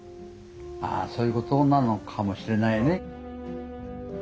ああそういうことなのかもしれないね。